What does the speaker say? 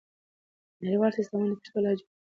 نړیوال سیسټمونه د پښتو لهجو ته اړتیا لري.